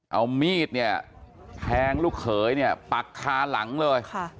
เอามีดเนี่ยแทงลูกเขยเนี่ยปักคาหลังเลย